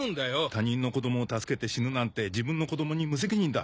「他人の子供を助けて死ぬなんて自分の子供に無責任だ」。